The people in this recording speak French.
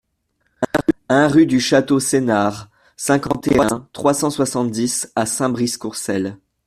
un rue du Château Senart, cinquante et un, trois cent soixante-dix à Saint-Brice-Courcelles